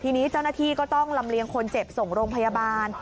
ทีนี้เจ้าหน้าที่ก็ต้องลำเลียงคนเจ็บส่งโรงพยาบาล